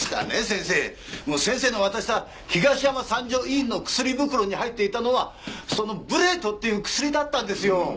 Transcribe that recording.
先生先生の渡した東山三条医院の薬袋に入っていたのはそのブレトっていう薬だったんですよ。